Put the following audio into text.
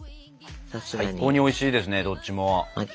最高においしいですねどっちも。